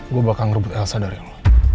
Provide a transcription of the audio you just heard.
gue bakal ngerebut elsa dari lo